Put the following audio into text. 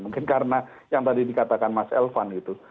mungkin karena yang tadi dikatakan mas elvan itu